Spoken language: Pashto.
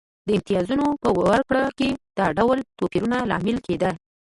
د امتیازونو په ورکړه کې دا ډول توپیرونه لامل کېده.